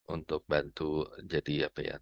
untuk bantu jadi apa ya